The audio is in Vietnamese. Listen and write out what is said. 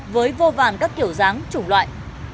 với vô vàn các kiểu dáng chủng loại